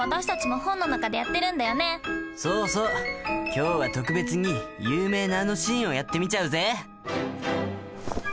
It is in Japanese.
今日は特別に有名なあのシーンをやってみちゃうぜ。